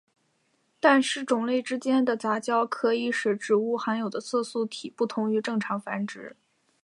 但是种类之间的杂交可以使植物含有的色素体不同于正常繁殖。